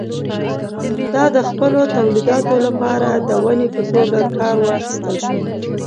دا د خپلو تولیداتو لپاره د ونې په توګه کار واخیستل شول.